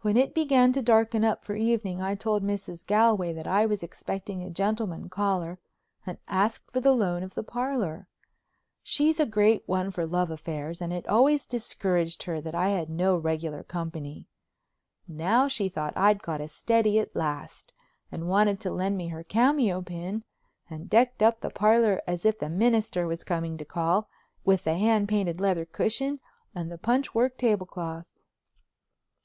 When it began to darken up for evening I told Mrs. Galway I was expecting a gentleman caller and asked for the loan of the parlor. She's a great one for love affairs and it always discouraged her that I had no regular company. Now she thought I'd got a steady at last and wanted to lend me her cameo pin, and decked up the parlor as if the minister was coming to call, with the hand painted leather cushion and the punch work tablecloth.